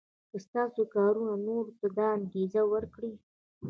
که ستاسو کارونه نورو ته دا انګېزه ورکړي.